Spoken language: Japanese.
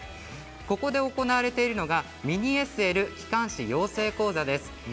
ここで行われているのがミニＳＬ機関士養成講座です。